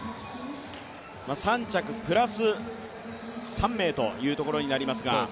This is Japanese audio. ３着プラス３名というところになりますが。